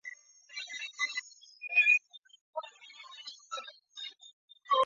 电影摄影机是一种摄影相机。